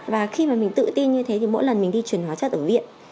và khi mà mình tự tin như thế thì mỗi lần mình đi chuyển hóa chất ở viện